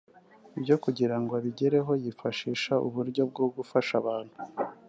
Ibyo kugira ngo abigereho yifashisha uburyo bwo gufasha abantu